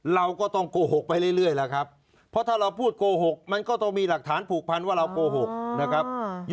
เราก็ต้องโกหกไปเรื่อยแล้วครับ